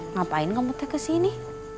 ngapain kamu teh kesini